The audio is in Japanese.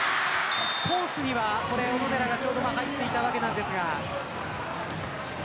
コースには小野寺が入っていたわけなんですが。